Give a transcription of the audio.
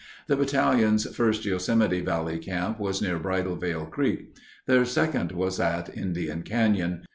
The Battalion's first Yosemite Valley camp was near Bridalveil Creek. Their second was at Indian Canyon.